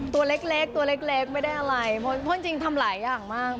ตัวเล็กตัวเล็กไม่ได้อะไรเพราะจริงทำหลายอย่างมาก